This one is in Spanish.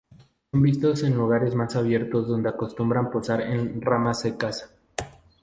Son vistos en lugares más abiertos donde acostumbran posar en ramas secas.